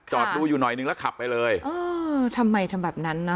ดูอยู่หน่อยนึงแล้วขับไปเลยเออทำไมทำแบบนั้นเนอ